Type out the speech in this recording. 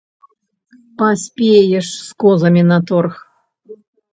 Паспееш з козамі на торг.